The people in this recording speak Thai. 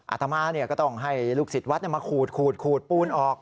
อาตมาก็ต้องให้ลูกศิษย์วัดมาขูดปูนออก